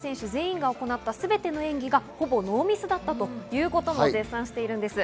特に４人の選手全員が行った全ての演技がほぼノーミスだったということも絶賛しています。